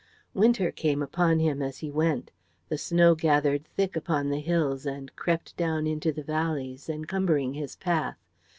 Winter came upon him as he went; the snow gathered thick upon the hills and crept down into the valleys, encumbering his path.